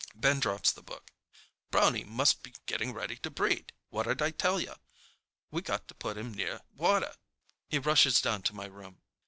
'" Ben drops the book. "Brownie must be getting ready to breed! What'd I tell you? We got to put him near water!" He rushes down to my room.